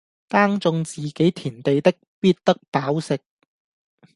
耕種自己田地的，必得飽食